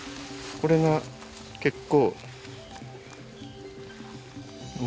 これが結構。